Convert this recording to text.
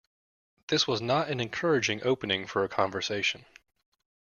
This was not an encouraging opening for a conversation.